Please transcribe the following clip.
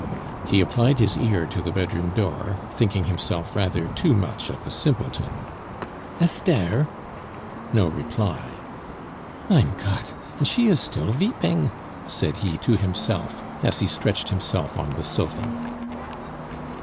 He applied his ear to the bedroom door, thinking himself rather too much of a simpleton. "Esther!" No reply. "Mein Gott! and she is still veeping!" said he to himself, as he stretched himself on the sofa.